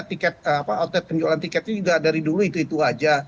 ticket penjualan juga dari dulu itu itu saja